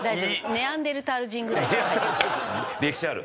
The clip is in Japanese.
ネアンデルタール人歴史ある。